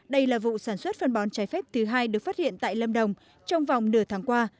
đây là vụ sản xuất phân bón trái phép thứ hai được phát hiện tại lâm đồng trong vòng nửa tháng qua